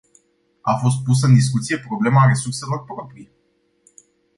A fost pusă în discuție problema resurselor proprii.